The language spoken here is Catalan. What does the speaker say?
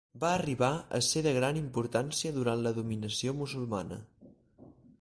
Va arribar a ser de gran importància durant la dominació musulmana.